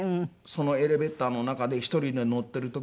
エレベーターの中で１人で乗ってる時に。